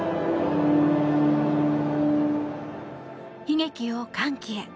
悲劇を歓喜へ。